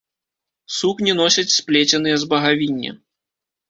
Сукні носяць сплеценыя з багавіння.